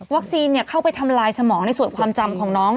เข้าไปทำลายสมองในส่วนความจำของน้อง